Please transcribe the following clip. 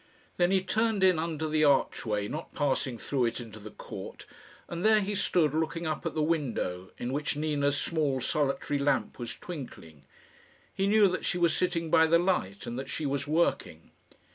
Then he turned in under the archway, not passing through it into the court, and there he stood looking up at the window, in which Nina's small solitary lamp was twinkling. He knew that she was sitting by the light, and that she was working.